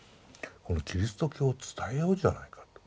このキリスト教を伝えようじゃないかと。